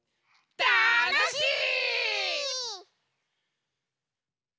たのしい！